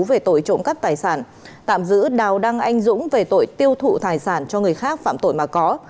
về tội trộm cắp tài sản tạm giữ đào đăng anh dũng về tội tiêu thụ tài sản cho người khác phạm tội mà có